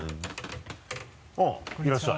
あっいらっしゃい。